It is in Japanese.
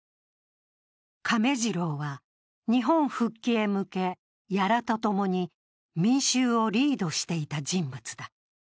亀次郎は、日本復帰へ向け屋良とともに民衆をリードしていた人物だ。